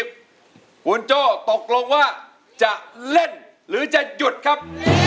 คุณโจ้ตกลงว่าจะเล่นหรือจะหยุดครับ